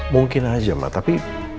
mungkin aja mbak tapi